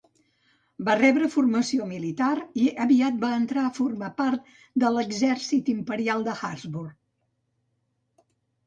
Va rebre formació militar i aviat va entrar a formar part de l'exèrcit imperial Habsburg.